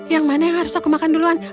yang mana yang harus aku makan duluan